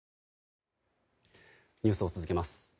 ニュースを続けます。